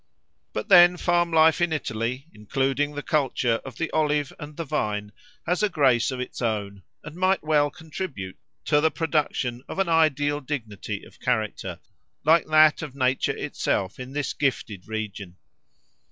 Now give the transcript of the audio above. But then, farm life in Italy, including the culture of the olive and the vine, has a grace of its own, and might well contribute to the production of an ideal dignity of character, like that of nature itself in this gifted region.